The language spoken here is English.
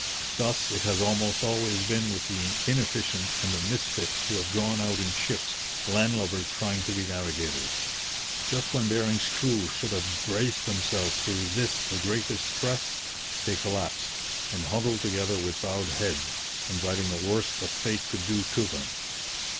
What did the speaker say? Thus it has almost always been with the inefficient and the misfits who have gone out in ships land lubbers trying to be navigators. Just when Bering's crew should have braced themselves to resist the greatest stress, they collapsed and huddled together with bowed heads, inviting the worst that fate could do to them.